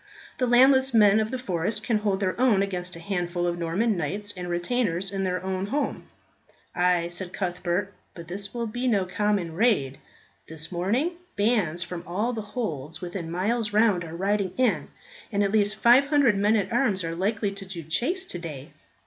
The landless men of the forest can hold their own against a handful of Norman knights and retainers in their own home." "Ay," said Cuthbert, "but this will be no common raid. This morning bands from all the holds within miles round are riding in, and at least 500 men at arms are likely to do chase today."